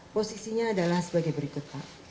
posisinya adalah sebagai berikut